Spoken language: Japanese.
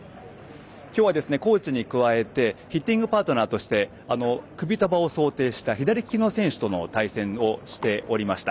今日はコーチに加えてフィッティングパートナーとしてクビトバを想定した左利きの選手と対戦していました。